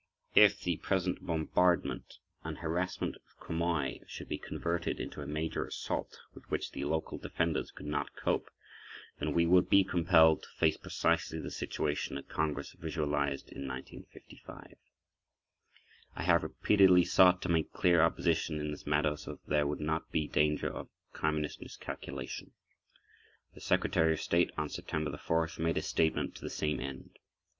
If the present bombardment and harassment of Quemoy should be converted into a major assault, with which the local defenders could not cope, then we would be compelled to face precisely the situation that Congress visualized in 1955. I have repeatedly sought to make clear our position in this matter so that there would not be danger of Communist miscalculation. The Secretary [pg 16]of State on September 4th made a statement to the same end.